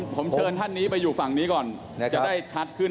ผมเชิญท่านนี้ไปอยู่ฝั่งนี้ก่อนจะได้ชัดขึ้น